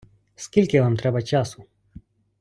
Скільки вам треба часу?